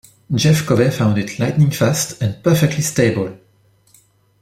Jeff Covey found it "lightning fast and perfectly stable".